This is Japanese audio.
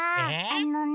あのね。